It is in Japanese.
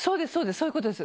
そういうことです。